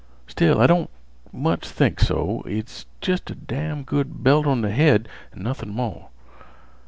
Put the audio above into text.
Still, I don't much think so. It's jest a damn' good belt on th' head, an' nothin' more.